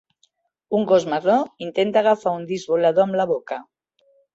Un gos marró intenta agafar un disc volador amb la boca.